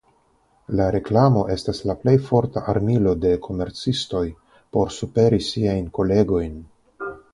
La reklamo estas la plej forta armilo de komercistoj por superi siajn kolegojn.